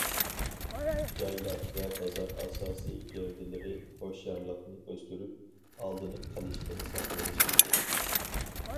جايلار ۋە بازار ئاساسىي گەۋدىلىرى ھوشيارلىقنى ئۆستۈرۈپ، ئالدىنىپ قېلىشتىن ساقلىنىشى كېرەك.